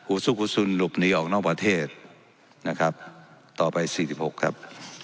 อุศุกรุศุลหลุบหนีออกนอกประเทศต่อไป๔๖ครับ